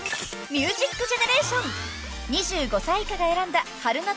［『ミュージックジェネレーション』２５歳以下が選んだ春夏